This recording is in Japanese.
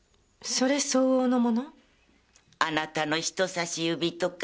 あなたの人さし指とか。